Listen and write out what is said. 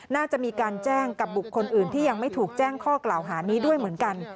น่าจะมีการแจ้งกับบุคคลอื่นที่ยังไม่ถูกแจ้งข้อกล่าวหานี้ด้วยเหมือนกัน